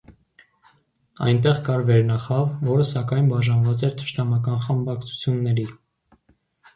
Այնտեղ կար վերնախավ, որը, սակայն, բաժանված էր թշնամական խմբակցությունների։